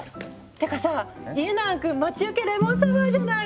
てかさ家長くん待ち受けレモンサワーじゃない！